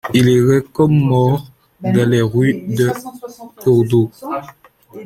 Il errait comme mort dans les rues de Cordoue.